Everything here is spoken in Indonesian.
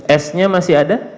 esnya masih ada